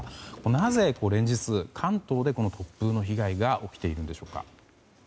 なぜ連日、関東で突風の被害が起きているんでしょうか。